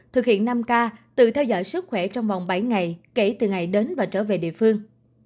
thực hiện năm k tự theo dõi sức khỏe trong vòng bảy ngày kể từ ngày đến và trở về địa phương